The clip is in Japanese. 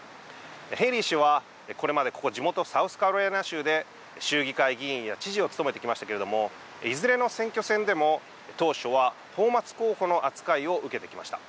ヘイリー氏はこれまでここ地元サウスカロライナ州で州議会議員や知事を務めてきましたけれどもいずれの選挙戦でも当初は泡まつ候補の扱いを受けてきました。